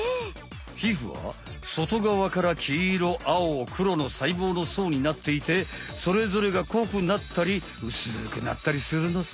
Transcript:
ひふはそとがわからきいろあおくろのさいぼうのそうになっていてそれぞれがこくなったりうすくなったりするのさ。